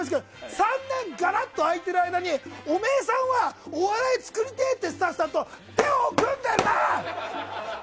３年、がばっと空いてる間におめえさんはお笑い作りたいってスタッフさんと手を組んでるな！